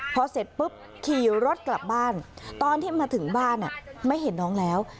พอเสร็จปุ๊บขี่รถกลับบ้านตอนที่มาถึงบ้านไม่เห็นน้องแล้ว